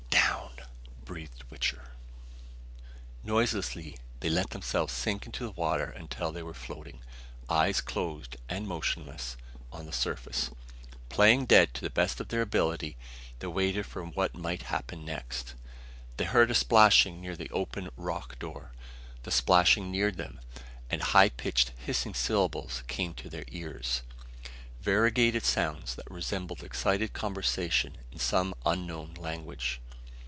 "Down," breathed Wichter. Noiselessly they let themselves sink into the water until they were floating, eyes closed and motionless, on the surface. Playing dead to the best of their ability, they waited for what might happen next. They heard a splashing near the open rock door. The splashing neared them, and high pitched hissing syllables came to their ears variegated sounds that resembled excited conversation in some unknown language.